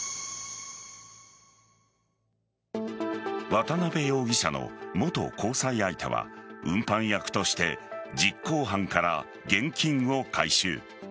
渡辺容疑者の元交際相手は運搬役として実行犯から現金を回収。